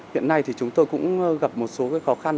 hiện nay thì chúng tôi cũng gặp một số khó khăn